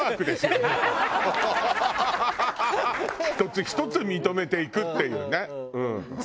１つ１つ認めていくっていうね。